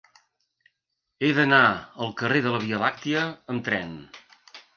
He d'anar al carrer de la Via Làctia amb tren.